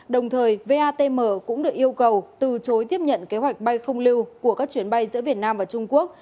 đồng thời vatm cũng được yêu cầu từ chối tiếp nhận kế hoạch bay không lưu của các chuyến bay giữa việt nam và trung quốc